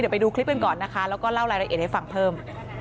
ไปดูคลิปกันก่อนนะคะแล้วก็เล่ารายละเอียดให้ฟังเพิ่ม